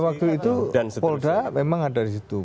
waktu itu polda memang ada di situ